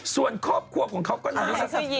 ส่วนครอบครัวของเขาก็น่า